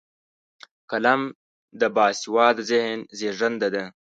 قلم د باسواده ذهن زیږنده ده